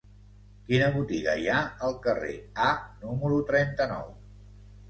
Quina botiga hi ha al carrer A número trenta-nou?